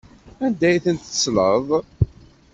Anda ay tent-tettleḍ?